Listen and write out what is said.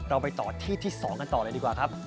เราไปต่อที่ที่๒กันต่อเลยดีกว่าครับ